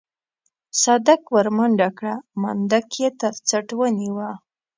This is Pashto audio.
صدک ورمنډه کړه منډک يې تر څټ ونيوه.